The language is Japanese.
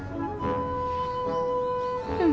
うん。